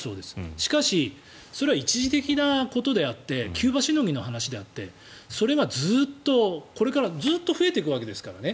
しかしそれは一時的なことであって急場しのぎの話であってそれがずっとこれからずっと増えていくわけですからね。